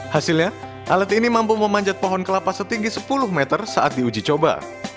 hasilnya alat ini mampu memanjat pohon kelapa setinggi sepuluh meter saat diuji coba